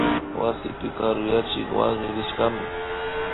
Wasipi karuyachik wakllirishkami